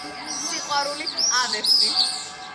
სიყვარულით ავერსი